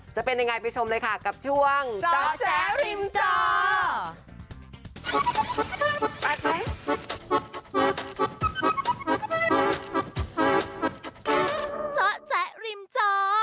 จะเป็นยังไงไปชมเลยค่ะกับช่วงเจาะแจ๊ริมจอ